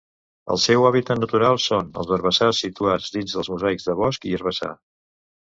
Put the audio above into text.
El seu hàbitat natural són els herbassars situats dins dels mosaics de bosc i herbassar.